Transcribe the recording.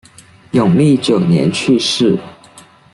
永历九年去世。